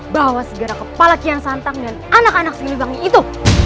bawa segara kepala kian santang dan anak anak seimbangnya itu